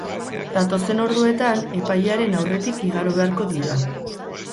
Datozen orduetan epailaren aurretik igaro beharko dira.